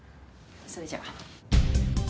それじゃ。